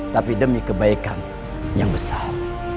tapi demi kebaikan yang besar